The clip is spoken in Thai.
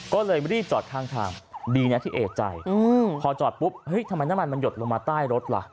ก็เลยรีบจอดข้างทางดีนะที่เอกใจพอจอดปุ๊บเฮ้ยทำไมน้ำมันมันหยดลงมาใต้รถล่ะ